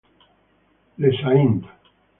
Le Saint